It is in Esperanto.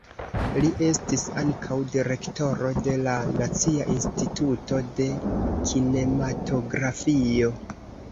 Li estis ankaŭ direktoro de la Nacia Instituto de Kinematografio.